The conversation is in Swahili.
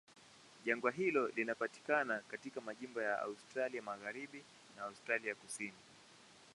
Jangwa hilo linapatikana katika majimbo ya Australia Magharibi na Australia Kusini.